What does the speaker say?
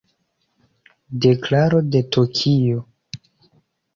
Deklaro de Tokio.